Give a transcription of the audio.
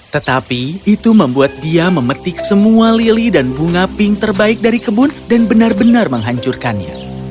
tetapi itu membuat dia memetik semua lili dan bunga pink terbaik dari kebun dan benar benar menghancurkannya